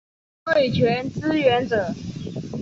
对拳支援者